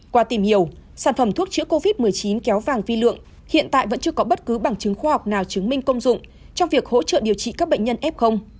qua tìm hiểu sản phẩm thuốc chữa covid một mươi chín kéo vàng phi lượng hiện tại vẫn chưa có bất cứ bằng chứng khoa học nào chứng minh công dụng trong việc hỗ trợ điều trị các bệnh nhân f